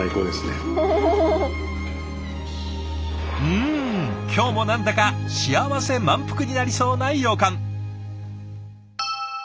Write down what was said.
うん今日も何だか幸せ満腹になりそうな予感。